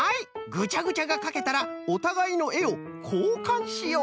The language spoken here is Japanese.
ぐちゃぐちゃがかけたらおたがいのえをこうかんしよう。